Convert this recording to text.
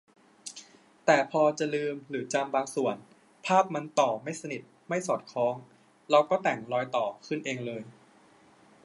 แต่พอจะลืมหรือจำบางส่วน ภาพมันต่อไม่สนิทไม่สอดคล้อง เราก็แต่ง"รอยต่อ"ขึ้นเองเลย